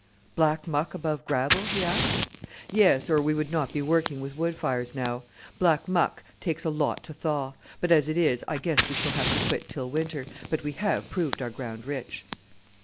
"Black muck above gravel?" he asked. "Yes, or we would not be working with wood fires now. Black muck takes a lot to thaw; but, as it is, I guess we shall have to quit till winter but we have proved our ground rich."